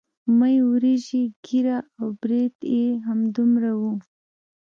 مۍ وريجې ږيره او برېتونه يې همدومره وو.